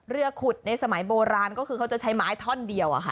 ขุดในสมัยโบราณก็คือเขาจะใช้ไม้ท่อนเดียว